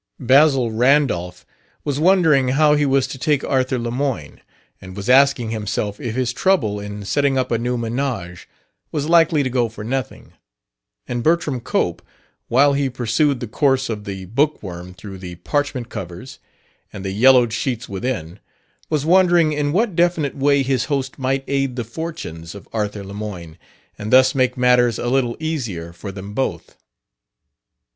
Basil Randolph was wondering how he was to take Arthur Lemoyne, and was asking himself if his trouble in setting up a new ménage was likely to go for nothing; and Bertram Cope, while he pursued the course of the bookworm through the parchment covers and the yellowed sheets within, was wondering in what definite way his host might aid the fortunes of Arthur Lemoyne and thus make matters a little easier for them both.